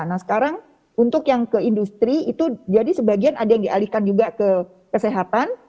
nah sekarang untuk yang ke industri itu jadi sebagian ada yang dialihkan juga ke kesehatan